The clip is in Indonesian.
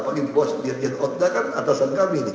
apalagi bos diri dia otak kan atasan kami nih